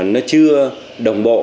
nó chưa đồng bộ